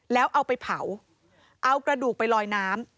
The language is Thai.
แล้วเอาไปเผาเอากระดูกไปลอยน้ำ